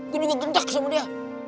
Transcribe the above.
gue juga gentak sama dia